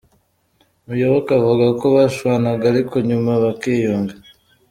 Muyoboke avuga ko bashwanaga ariko nyuma bakiyunga.